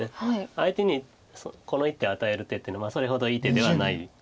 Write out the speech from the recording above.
相手にこの一手与える手っていうのはそれほどいい手ではないことが多いんですけど。